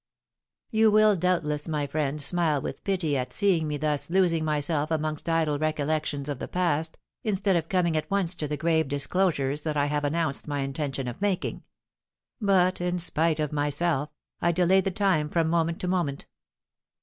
You will doubtless, my friend, smile with pity at seeing me thus losing myself amongst idle recollections of the past, instead of coming at once to the grave disclosures that I have announced my intention of making; but, in spite of myself, I delay the time from moment to moment.